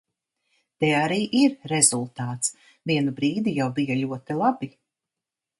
Te arī ir rezultāts... Vienu brīdi jau bija ļoti labi.